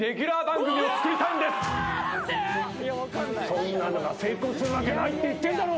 そんなのが成功するわけないっていってんだろ！